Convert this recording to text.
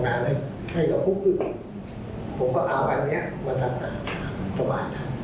เท่าที่จะมีความสุขลูกกันในการทำงานให้กับพวกอื่น